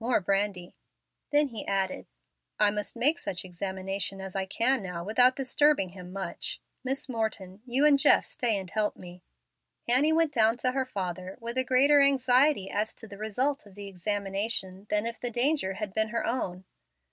"More brandy." Then he added, "I must make such examination as I can now without disturbing him much. Miss Morton, you and Jeff stay and help me." Annie went down to her father with a greater anxiety as to the result of the examination than if the danger had been her own.